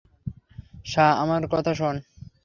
শা, আমার কথা শোন।